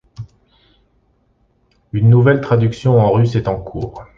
Une nouvelle traduction en russe est en cours.